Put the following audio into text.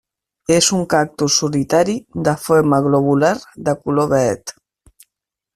És un cactus solitari de forma globular de color verd.